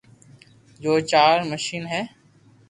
جو چار مݾين ھي